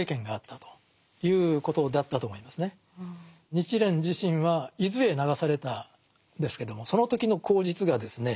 日蓮自身は伊豆へ流されたんですけどもその時の口実がですね